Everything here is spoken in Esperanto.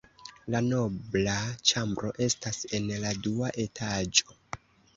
La nobla ĉambro estas en la dua etaĝo.